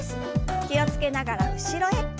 気を付けながら後ろへ。